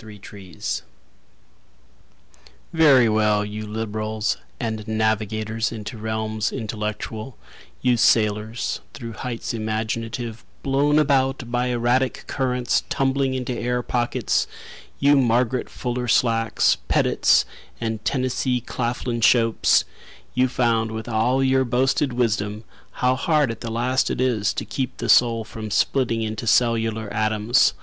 Thomas Rhodes Very well, you liberals, And navigators into realms intellectual, You sailors through heights imaginative, Blown about by erratic currents, tumbling into air pockets, You Margaret Fuller Slacks, Petits, And Tennessee Claflin Shopes— You found with all your boasted wisdom How hard at the last it is To keep the soul from splitting into cellular atoms.